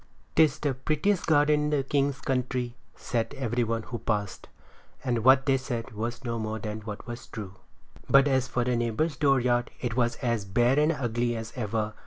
"'Tis the prettiest garden in the king's country," said every one who passed; and what they said was no more than what was true. But as for the neighbor's dooryard it was as bare and ugly as ever.